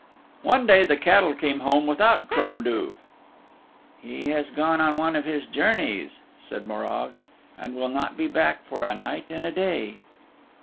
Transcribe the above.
One day the cattle came home without Crom Duv. "He has gone on one of his journeys," said Morag, "and will not be back for a night and a day."